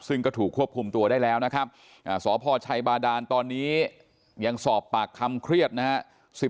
ซึ่งก็ถูกควบคุมตัวได้แล้วนะครับสพชัยบาดานตอนนี้ยังสอบปากคำเครียดนะฮะ